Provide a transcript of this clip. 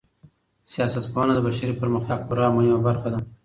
سياست پوهنه د بشري پرمختګ خورا مهمه برخه ده.